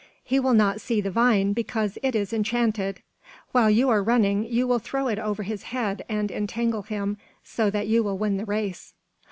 He will not see the vine, because it is enchanted. While you are running, you will throw it over his head and entangle him, so that you will win the race."